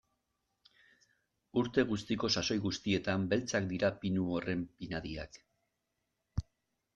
Urte guztiko sasoi guztietan beltzak dira pinu horren pinadiak.